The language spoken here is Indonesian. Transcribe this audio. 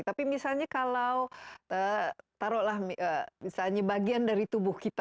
tapi misalnya kalau taruhlah misalnya bagian dari tubuh kita